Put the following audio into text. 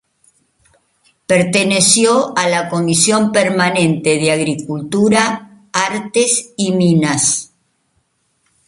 Perteneció a la Comisión permanente de Agricultura, Artes y Minas.